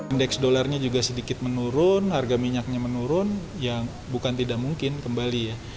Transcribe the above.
indeks dollarnya juga sedikit menurun harga minyaknya menurun yang bukan tidak mungkin kembali ya